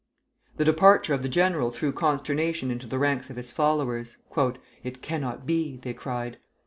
The departure of the general threw consternation into the ranks of his followers. "It cannot be!" they cried.